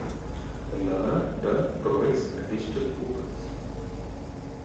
Laura Dawn provides additional vocals.